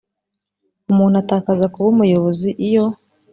Umuntu atakaza kuba umuyobozi iyo